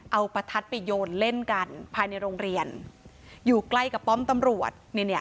เอาประทัดไปโยนเล่นกันภายในโรงเรียนอยู่ใกล้กับป้อมตำรวจเนี่ย